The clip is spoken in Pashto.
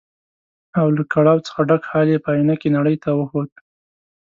او له کړاو څخه ډک حال یې په ائينه کې نړۍ ته وښود.